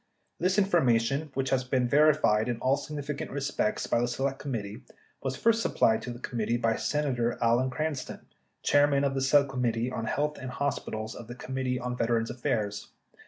This informa tion, which has been verified in all significant respects by the Select Committee, was first supplied to the committee by Senator Alan Cran ston, chairman of the Subcommittee on Health and Hospitals of the Committee on Veterans' Affairs.